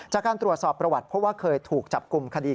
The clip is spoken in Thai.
จากการตรวจสอบประวัติเพราะว่าเคยถูกจับกลุ่มคดี